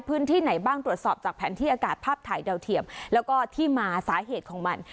พื้นที่ไหนบ้างตรวจสอบจากแผนที่อากาศภาพถ่ายดาวเทียมแล้วก็ที่มาสาเหตุของมัน